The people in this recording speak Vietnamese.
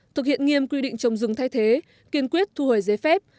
thực hiện nghiêm quy định trồng rừng thay thế kiên quyết thu hồi giấy phép